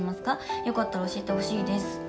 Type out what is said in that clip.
よかったら教えてほしいです。